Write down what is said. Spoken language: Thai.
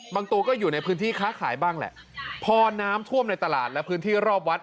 ตัวก็อยู่ในพื้นที่ค้าขายบ้างแหละพอน้ำท่วมในตลาดและพื้นที่รอบวัด